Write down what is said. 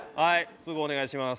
すぐお願いします。